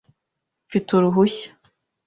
Mfite uruhushya?